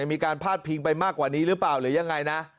มีการพาดพิงไปมากกว่านี้หรือเปล่าหรือยังไงนะ